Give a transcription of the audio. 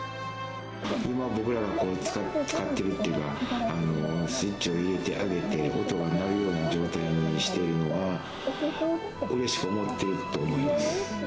今、僕らが使っているというか、スイッチを入れてあげて、音がなるような状態にしているのは、うれしく思っていると思います。